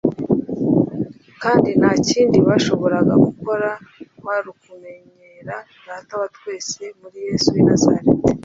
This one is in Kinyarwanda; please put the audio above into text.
kandi nta kindi bashoboraga gukora kuari ukumenyera Data wa twese muri Yesu w'i Nazareti,